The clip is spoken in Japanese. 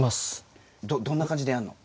どんな感じでやるの？